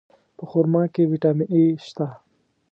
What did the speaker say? په خرما کې ویټامین E شته.